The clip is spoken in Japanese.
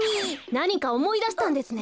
なにかおもいだしたんですね！？